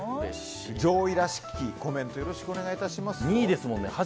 上位らしきコメントお願いしますよ。